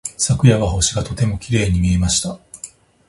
昨夜は星がとてもきれいに見えました。